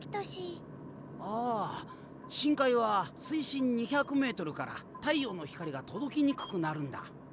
ああ深海は水深２００メートルから太陽の光が届きにくくなるんだ。